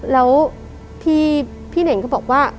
แล้วที่พี่เน่งก็บอกว่า